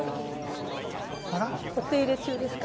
お手入れ中ですか？